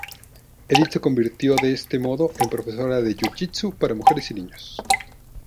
Edith se convirtió de este modo en profesora de jiu-jitsu para mujeres y niños.